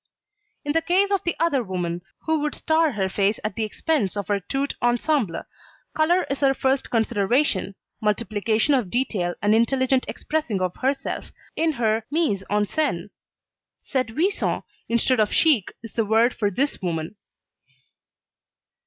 In the case of the other woman, who would star her face at the expense of her tout ensemble, colour is her first consideration, multiplication of detail and intelligent expressing of herself in her mise en scène. Seduisant, instead of chic is the word for this woman.